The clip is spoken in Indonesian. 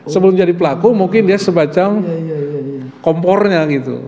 sebelum jadi pelaku mungkin dia semacam kompornya gitu